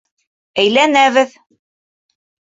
Әйләнәбеҙ!